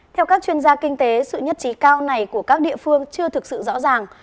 theo các chuyên gia kinh tế sự nhất trí cao này của các địa phương chưa thực sự rõ ràng